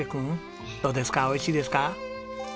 おいしいですか？